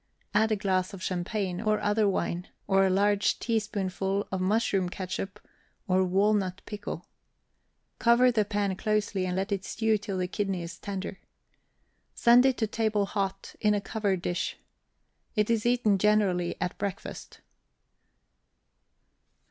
Add a glass of champagne, or other wine, or a large teaspoonful of mushroom ketchup or walnut pickle; cover the pan closely, and let it stew till the kidney is tender. Send it to table hot, in a covered dish. It is eaten generally at breakfast.